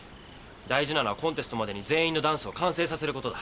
大事なのはコンテストまでに全員のダンスを完成させることだ。